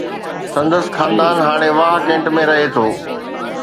سندس خاندان هاڻي واهه ڪينٽ ۾ رهي ٿو.